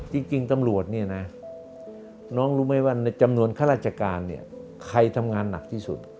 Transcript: จริงตำรวจเนี่ยนะน้องรู้ไหมว่าในจำนวนข้าราชการเนี่ยใครทำงานหนักที่สุด